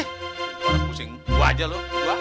buat pusing gue aja lo